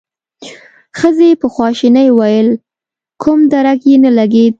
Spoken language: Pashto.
ښځې په خواشينۍ وويل: کوم درک يې ونه لګېد؟